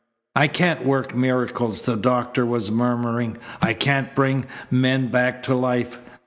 "I can't work miracles," the doctor was murmuring. "I can't bring men back to life.